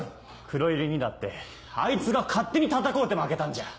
黒百合にだってあいつが勝手に戦うて負けたんじゃ。